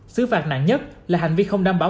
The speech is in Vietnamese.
xứ phạt nặng nhất là hành vi không đảm bảo